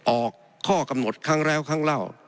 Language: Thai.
ออกข้อกำหนดครั้งแล้วครั้งเล่า